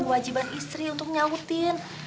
wajiban istri untuk nyahutin